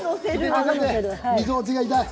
みぞおちが痛い。